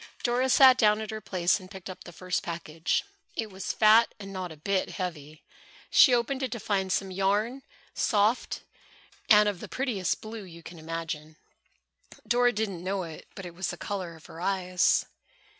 Dora sat down at her place and picked up the first package. It was fat and not a bit heavy. She opened it to find some yarn, soft, and of the prettiest blue you can imagine. Dora didn't know it, but it was the color of her eyes.